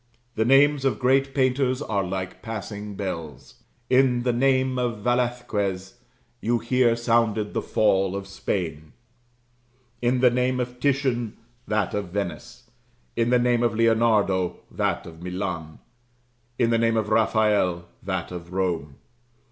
The names of great painters are like passing bells: in the name of Velasquez, you hear sounded the fall of Spain; in the name of Titian, that of Venice; in the name of Leonardo, that of Milan; in the name of Raphael, that of Rome.